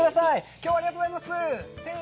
きょうはありがとうございます。